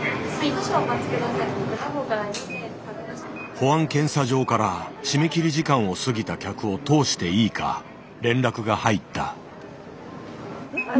保安検査場から締め切り時間を過ぎた客を通していいか連絡が入った。